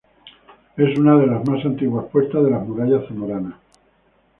Es una de las más antiguas puertas de las murallas zamoranas.